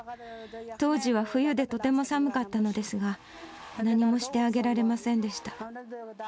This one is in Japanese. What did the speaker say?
当時は冬でとても寒かったのですが、何もしてあげられませんでした。